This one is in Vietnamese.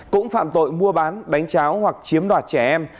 cũng phạm tội mua bán đánh cháo hoặc chiếm đoạt trẻ em